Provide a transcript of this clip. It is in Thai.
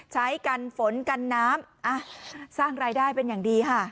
ใช้กันฝนกันน้ำสร้างรายได้เป็นอย่างดีค่ะ